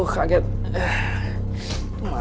curse banget bang